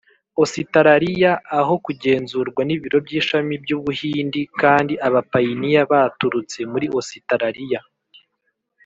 Ositaraliya aho kugenzurwa n ibiro by ishami by u Buhindi kandi abapayiniya baturutse muri Ositaraliya